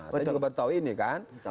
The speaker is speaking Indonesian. saya juga baru tahu ini kan